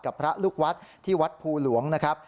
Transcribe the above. พระลูกวัดที่วัดภูหลวงนะครับ